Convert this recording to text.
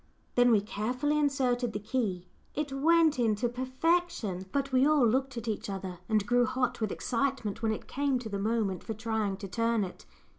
Then we carefully inserted the key it went in to perfection, but we all looked at each other, and grew hot with excitement when it came to the moment for trying to turn it.